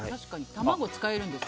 卵使えるんですね。